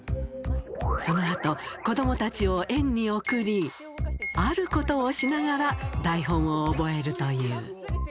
そのあと、子どもたちを園に送り、あることをしながら台本を覚えるという。